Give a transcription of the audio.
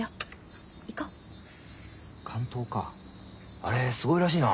あれすごいらしいな。